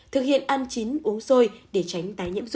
thực hiện ăn chín uống sôi để tránh tái nhiễm run